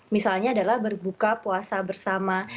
misalnya adalah berbuka puasa bersama